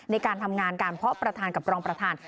ในการทำงานการเพาะประธานกับรองประธาน